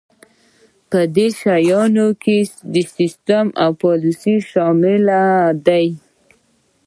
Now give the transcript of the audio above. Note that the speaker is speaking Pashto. په دې شیانو کې سیستم او پالیسي شامل دي.